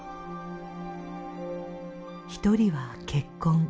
一人は結婚。